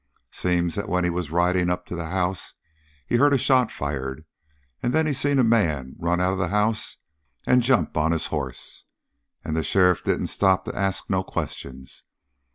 Seems that when he was riding up to the house he heard a shot fired, and then he seen a man run out of the house and jump on his hoss, and the sheriff didn't stop to ask no questions.